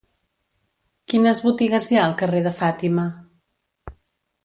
Quines botigues hi ha al carrer de Fàtima?